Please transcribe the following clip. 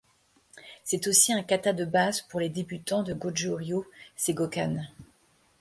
C'est aussi un kata de base pour les débutants de Goju-Ryu Seigokan.